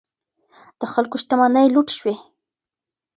د خلکو شتمنۍ لوټ شوې.